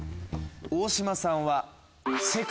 大島さんは。